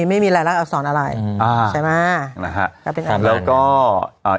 ไม่มีหลายละอักษรอะไรอ่าใช่ไหมนะฮะแล้วก็อ่า